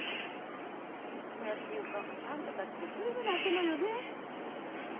こうやって言うとあんたたちってすぐ泣くのよね。